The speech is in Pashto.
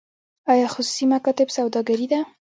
آیا خصوصي مکاتب سوداګري ده؟